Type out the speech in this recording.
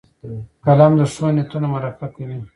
قلم د ښو نیتونو مرکه کوي